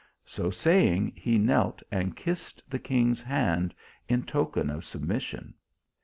So saying, he knelt and kissed the king s hand in token of submission.